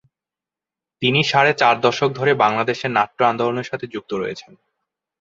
তিনি সাড়ে চার দশক ধরে বাংলাদেশের নাট্য আন্দোলনের সাথে যুক্ত রয়েছেন।